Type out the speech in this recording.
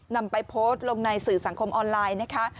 นำไปโพสต์ลงในสื่อสังคมออนไลน์นะคะ